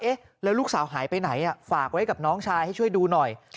แล้วลูกสาวหายไปไหนฝากไว้กับน้องชายให้ช่วยดูหน่อย